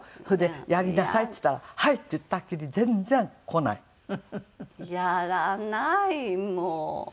それで「やりなさい」っつったら「はい」って言ったきり全然来ない。やらないもう。